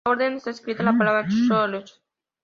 En la orden está escrita la palabra “Şöhrət“.